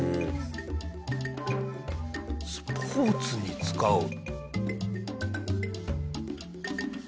スポーツに使う？